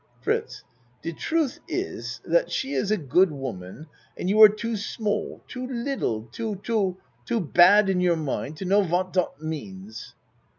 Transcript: FRITZ De truth iss that she is a good woman and you are too small too liddle too too too bad in your mind to know wat dot means.